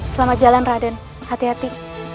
selamat jalan raden hati hati